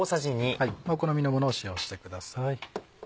お好みのものを使用してください。